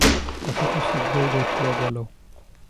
কথাটা শীঘ্রই রটিয়া গেল।